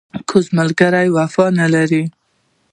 کوږ ملګری وفا نه لري